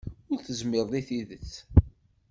Ur tezmireḍ i tidet.